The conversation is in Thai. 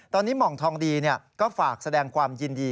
ตอนนี้หม่องทองดีก็ฝากแสดงความยินดี